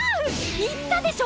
言ったでしょ！？